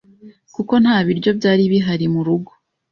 kuko nta biryo byari Bihari mu rugo.”